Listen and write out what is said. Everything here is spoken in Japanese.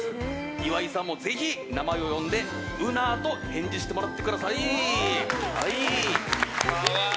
岩井さんも、ぜひ名前を呼んでうなと返事してもらってください。